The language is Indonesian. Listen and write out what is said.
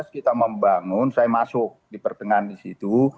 dua ribu sembilan belas kita membangun saya masuk di pertengahan di situ